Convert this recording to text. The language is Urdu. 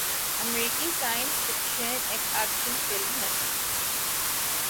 امریکی سائنس فکشن ایکشن فلم ہے